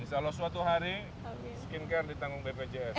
insya allah suatu hari skincare ditanggung bpjs